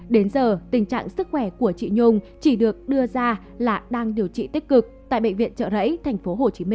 đến giờ tình trạng sức khỏe của chị nhung chỉ được đưa ra là đang điều trị tích cực tại bệnh viện trợ rẫy tp hcm